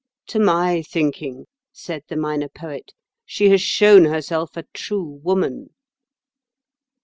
"To my thinking," said the Minor Poet, "she has shown herself a true woman."